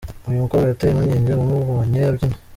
Uyu mukobwa yateye impungenge abamubonye abyina.